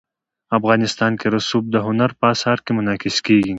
افغانستان کې رسوب د هنر په اثار کې منعکس کېږي.